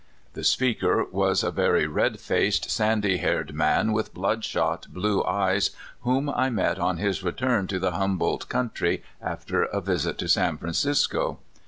The speaker was a very red faced, sandy haired man, with bloodshot, blue eyes, whom I met on his return to the Humboldt country, after a visit to San Francisco.